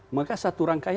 maka satu rangkaian